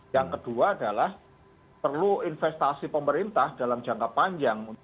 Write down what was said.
yang kedua adalah perlu investasi pemerintah dalam jangka panjang